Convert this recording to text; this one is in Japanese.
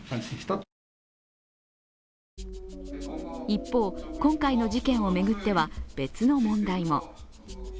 一方、今回の事件を巡っては別の問題も。